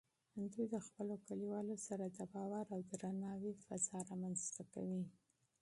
دوی د خپلو کلیوالو سره د باور او درناوي فضا رامینځته کوي.